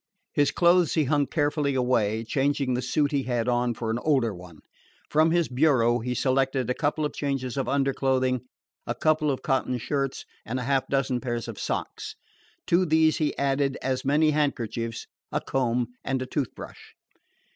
His clothes he hung carefully away, changing the suit he had on for an older one. From his bureau he selected a couple of changes of underclothing, a couple of cotton shirts, and half a dozen pairs of socks. To these he added as many handkerchiefs, a comb, and a tooth brush.